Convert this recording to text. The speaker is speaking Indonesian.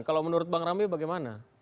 kalau menurut bang ramli bagaimana